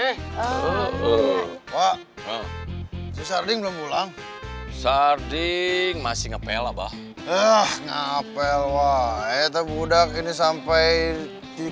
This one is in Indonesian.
hilang cinta tapi takut salah